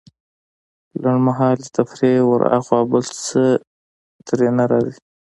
لنډمهالې تفريح وراخوا بل څه ترې نه راځي.